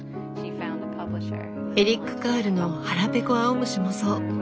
エリック・カールの「はらぺこあおむし」もそう。